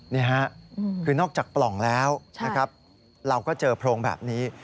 นี่ฮะคือนอกจากปล่องแล้วนะครับเราก็เจอโพรงแบบนี้